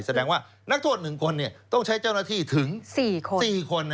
แสดงว่านักโทษ๑คนต้องใช้เจ้าหน้าที่ถึง๔คน